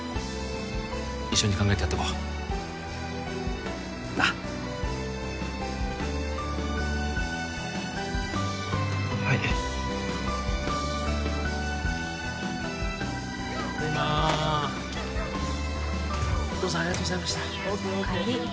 一緒に考えてやっていこうなっはいただいまお義父さんありがとうございましたＯＫＯＫＯＫおかえり